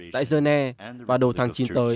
tại dơ nê và đồ thắng